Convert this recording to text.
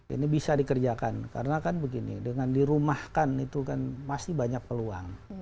ini bisa dikerjakan karena kan begini dengan dirumahkan itu kan masih banyak peluang